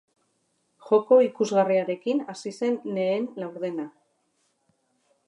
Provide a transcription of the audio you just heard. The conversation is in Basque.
Joko ikusgarriarekin hasi zen lehen laurdena.